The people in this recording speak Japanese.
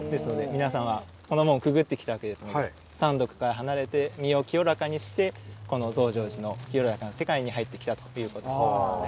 皆さんはこの門をくぐってきたわけですので三毒から離れて身を清らかにしてこの増上寺の清らかな世界に入ってきたということですね。